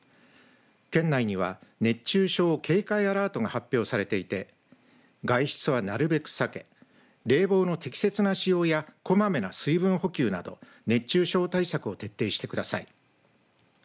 県内には熱中症警戒アラートが発表されていて外出はなるべく避け冷房の適切な使用やこまめな水分補給など熱中症対策を徹底してください。